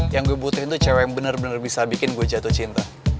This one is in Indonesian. yang gue butuhin tuh cewek yang benar benar bisa bikin gue jatuh cinta